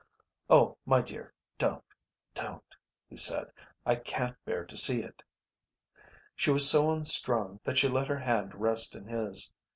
"Oh, my dear, don't, don't," he said. "I can't bear to see it." She was so unstrung that she let her hand rest in his.